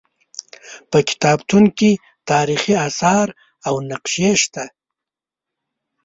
په کتابتون کې تاریخي اثار او نقشې شته.